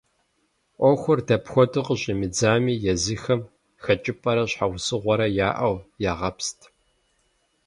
Ӏуэхур дапхуэдэу къыщӏимыдзами, езыхэм хэкӏыпӏэрэ щхьэусыгъуэрэ яӏэу ягъэпст.